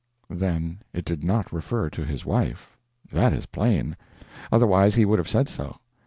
Then it did not refer to his wife. That is plain; otherwise he would have said so.